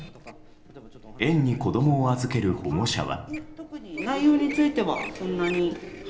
園に子供を預ける保護者は。